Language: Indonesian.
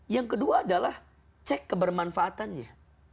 yang kedua adalah cek kebermanfaatannya